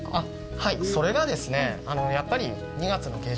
はい、それがですね、やっぱり２月の下旬。